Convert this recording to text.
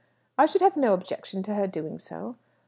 "I should have no objection to her doing so."